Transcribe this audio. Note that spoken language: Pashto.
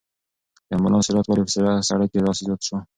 د امبولانس سرعت ولې په سړک کې داسې زیات شو؟